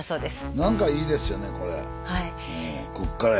なんかいいですよねこれ。